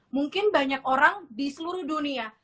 mungkin banyak orang di seluruh dunia